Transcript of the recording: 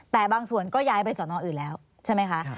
แต่บางส่วนก็ย้ายไปสอนออื่นแล้วใช่ไหมคะ